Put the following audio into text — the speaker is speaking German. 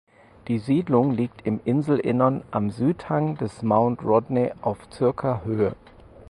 Die Siedlung liegt im Inselinnern am Südhang des Mount Rodney auf circa Höhe.